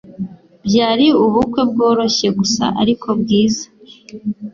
Byari ubukwe bworoshye gusa ariko bwiza.